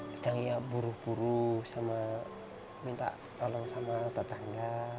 kadang ya buru buru sama minta tolong sama tetangga